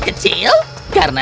nah aku benar benar terbaik